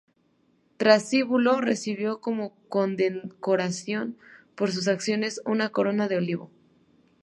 Trasíbulo recibió como condecoración por sus acciones una corona de olivo.